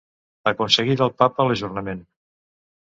Aconseguí del Papa l’ajornament.